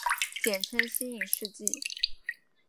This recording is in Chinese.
简称新影世纪。